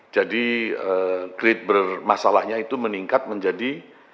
jadi kredit bermasalahnya itu meningkat menjadi tiga dua